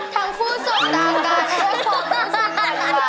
ทั้งผู้ส่งต่างกันและผู้ส่งต่างไป